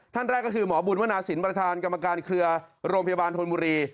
ท่านแรกก็คือหมอบุญวนาศิลปประธานกรรมการเครือโรงพยาบาลธนบุรี